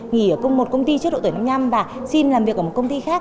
nghỉ ở một công ty trước độ tuổi năm năm và xin làm việc ở một công ty khác